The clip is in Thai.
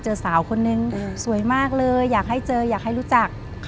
เจอสาวคนนึงสวยมากเลยอยากให้เจออยากให้รู้จัก